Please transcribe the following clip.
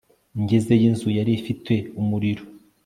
Ngezeyo inzu yari ifite umuriro